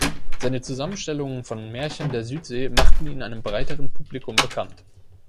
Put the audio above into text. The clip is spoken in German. Seine Zusammenstellungen von Märchen der Südsee machten ihn einem breiteren Publikum bekannt.